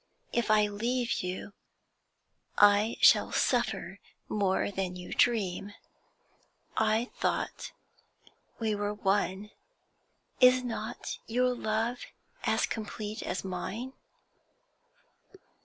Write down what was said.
If I leave you, I shall suffer more than you dream. I thought we were one. Is not your love as complete as mine?'